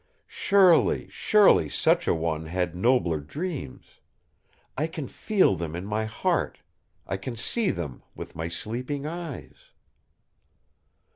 "Surely, surely, such a one had nobler dreams! I can feel them in my heart; I can see them with my sleeping eyes!"